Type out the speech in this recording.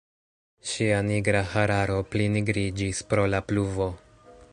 Ŝia nigra hararo pli nigriĝis pro la pluvo.